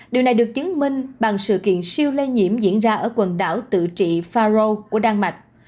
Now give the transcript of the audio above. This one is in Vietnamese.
điều này được chứng minh bằng sự kiện siêu lây nhiễm diễn ra ở quần đảo tự trị pharo của đan mạch